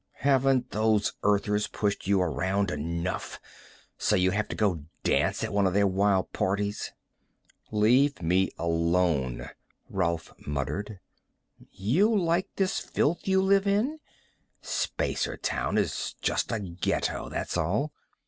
"Haven't those Earthers pushed you around enough, so you have to go dance at one of their wild parties?" "Leave me alone," Rolf muttered. "You like this filth you live in? Spacertown is just a ghetto, that's all.